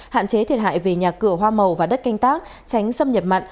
hạn chế thiệt hại về nhà cửa hoa màu và đất canh tác tránh xâm nhập mặn